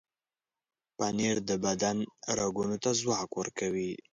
پنېر د بدن رګونو ته ځواک ورکوي.